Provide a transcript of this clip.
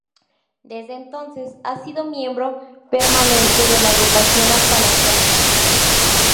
Desde entonces ha sido miembro permanente de la agrupación hasta la actualidad.